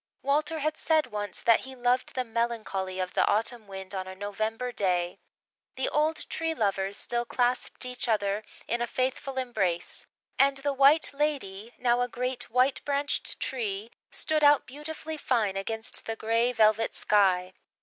Walter had said once that he loved the melancholy of the autumn wind on a November day. The old Tree Lovers still clasped each other in a faithful embrace, and the White Lady, now a great white branched tree, stood out beautifully fine, against the grey velvet sky.